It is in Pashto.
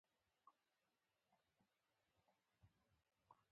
نیولوګیزم هغه لغت ته وایي، چي نوي جوړ سوي يي.